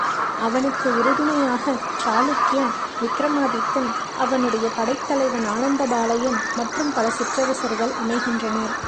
அவனுக்கு உறுதுணையாகச் சாளுக்கியன் விக்கிரமாதித்தன் அவனுடைய படைத்தலைவன் ஆனந்த பாலையன், மற்றும் பல சிற்றரசர்கள் அமைகின்றனர்.